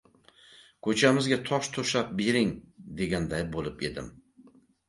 — Ko‘chamizga tosh to‘shab bering, deganday bo‘lib edim.